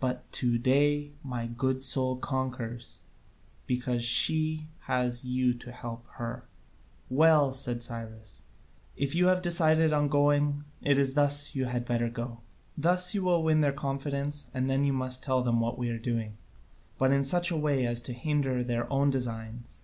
But to day my good soul conquers, because she has you to help her." "Well," said Cyrus, "if you have decided on going, it is thus you had better go. Thus you will win their confidence, and then you must tell them what we are doing, but in such a way as to hinder their own designs.